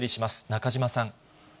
中島さん。